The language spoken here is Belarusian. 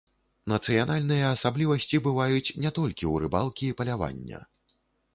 Нацыянальныя асаблівасці бываюць не толькі ў рыбалкі і палявання.